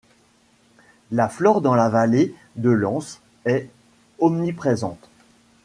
La flore dans la vallée de l'Ance est omniprésente.